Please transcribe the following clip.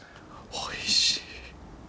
おいしい。